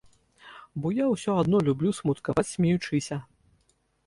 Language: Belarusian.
Бо я ўсё адно люблю смуткаваць смеючыся.